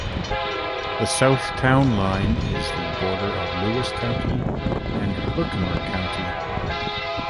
The south town line is the border of Lewis County and Herkimer County.